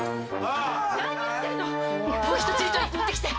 「何やってるの⁉」「ほうきとちり取り持ってきて」